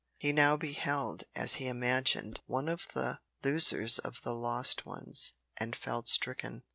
He now beheld, as he imagined, one of the losers of the lost ones, and felt stricken.